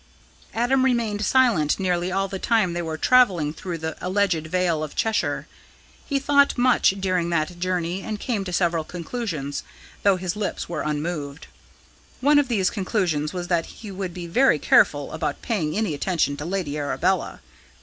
Adam remained silent nearly all the time they were travelling through the alleged Vale of Cheshire. He thought much during that journey and came to several conclusions, though his lips were unmoved. One of these conclusions was that he would be very careful about paying any attention to Lady Arabella.